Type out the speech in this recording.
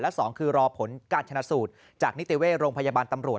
และ๒คือรอผลการชนะสูตรจากนิติเวชโรงพยาบาลตำรวจ